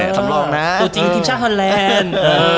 ตัวจริงทีมชาทธิ์ฮอร์แหลนด์